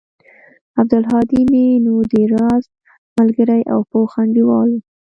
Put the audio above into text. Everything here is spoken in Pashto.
عبدالهادى مې نو د راز ملگرى او پوخ انډيوال و.